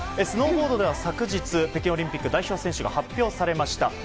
スノーボードでは昨日北京オリンピック代表選手が発表されました。